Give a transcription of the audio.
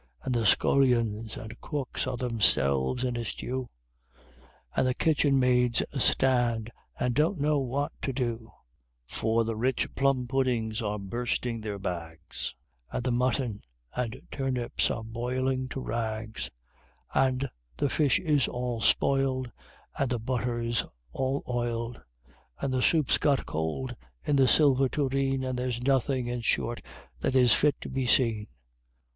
And the scullions and cooks are themselves "in a stew," And the kitchen maids stand, and don't know what to do, For the rich plum puddings are bursting their bags, And the mutton and turnips are boiling to rags, And the fish is all spoiled, And the butter's all oiled, And the soup's got cold in the silver tureen, And there's nothing, in short, that is fit to be seen!